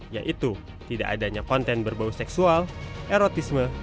yaitu tidak adanya konten berbau seksual erotisme